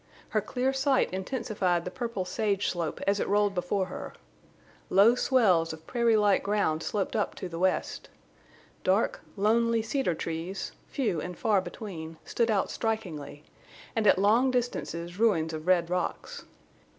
Her clear sight intensified the purple sage slope as it rolled before her. Low swells of prairie like ground sloped up to the west. Dark, lonely cedar trees, few and far between, stood out strikingly, and at long distances ruins of red rocks.